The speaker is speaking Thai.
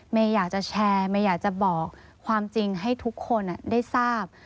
เมย์อยากจะแชร์บอกความจริงให้ทุกคนได้ทราบ